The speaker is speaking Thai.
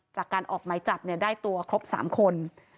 จากการออกหมายจับได้ตัวครบ๓คน